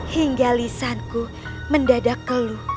hingga lisanku mendadak ke lu